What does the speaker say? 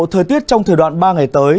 thời tiết trong thời đoạn ba ngày tới